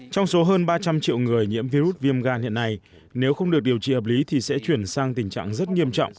trong số hơn ba trăm linh triệu người nhiễm virus viêm gan hiện nay nếu không được điều trị hợp lý thì sẽ chuyển sang tình trạng rất nghiêm trọng